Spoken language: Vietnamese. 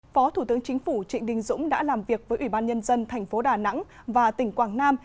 phó thủ tướng chính phủ trịnh đình dũng đã làm việc với ủy ban nhân dân thành phố đà nẵng và tỉnh quảng nam